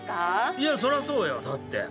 いやそらそうよだって。